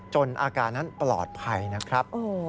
อาการนั้นปลอดภัยนะครับ